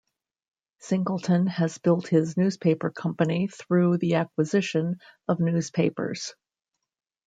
Singleton has built his newspaper company through the acquisition of newspapers.